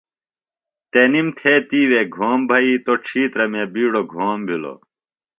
تنِم تھےۡ تِیوے گھوم بھئِیتوۡ۔ ڇِھیترہ مے بِیڈوۡ گھوم بِھلوۡ۔